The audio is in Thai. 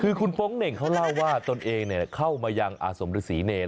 คือคุณโป๊งเหน่งเขาเล่าว่าตนเองเข้ามายังอาสมฤษีเนร